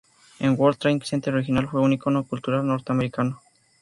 El World Trade Center original fue un icono cultural norteamericano.